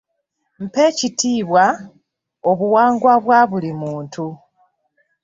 Mpa ekitiibwa obuwangwa bwa buli muntu.